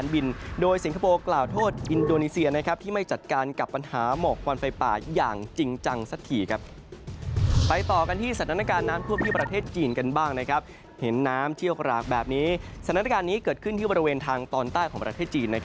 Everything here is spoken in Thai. แบบนี้สถานการณ์นี้เกิดขึ้นที่บริเวณทางตอนใต้ของประเทศจีน